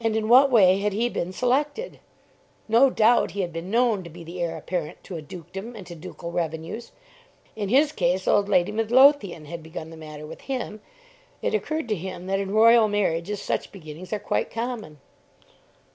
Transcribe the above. And in what way had he been selected? No doubt he had been known to be the heir apparent to a dukedom and to ducal revenues. In his case old Lady Midlothian had begun the matter with him. It occurred to him that in royal marriages such beginnings are quite common.